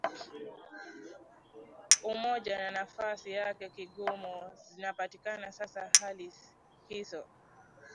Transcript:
umoja na nafsi yake ya Kimungu zinapatikana sasa hali hizo